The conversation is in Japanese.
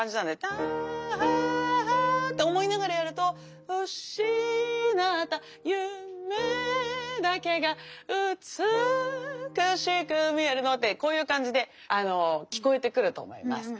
ターハーハーと思いながらやるとうしなったゆめだけがうつくしくみえるのはってこういう感じであの聞こえてくると思います。